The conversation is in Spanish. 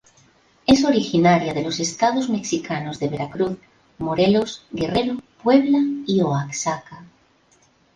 Es originaria de los estados mexicanos de Veracruz, Morelos, Guerrero, Puebla y Oaxaca.